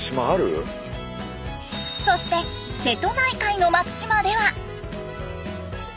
そして瀬戸内海の松島では。